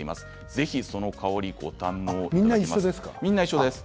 ぜひその香りをご堪能いただきたいと思います。